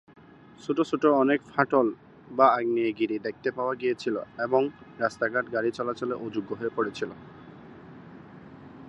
ছোট ছোট অনেক ফাটল/আগ্নেয়গিরি দেখতে পাওয়া গিয়েছিল এবং রাস্তাঘাট গাড়ি চলাচলে অযোগ্য হয়ে পড়েছিল।